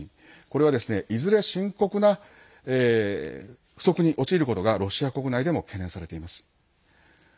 これはいずれ深刻な不足に陥ることがロシア国内でも懸念されています。